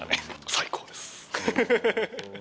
最高です。